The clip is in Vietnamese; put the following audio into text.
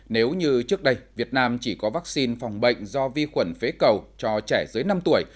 nếu như trước đây việt nam chỉ có vaccine phòng bệnh do vi khuẩn phế cầu cho trẻ dưới năm tuổi